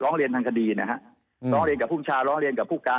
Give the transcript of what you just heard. เรียนทางคดีนะฮะร้องเรียนกับภูมิชาร้องเรียนกับผู้การ